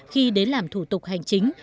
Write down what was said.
khi đến làm thủ tục hành chính